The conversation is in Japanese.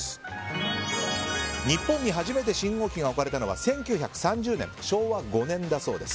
日本に初めて信号機が置かれたのは１９３０年、昭和５年だそうです。